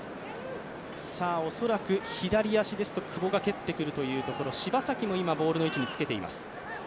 恐らく左足ですと久保がけってくるというところ柴崎もつけています。